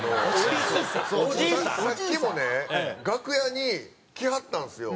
さっきもね楽屋に来はったんですよ。